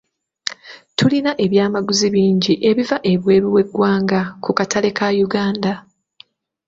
Tulina ebyamaguzi bingi ebiva ebweru w'eggwanga ku katale ka Uganda.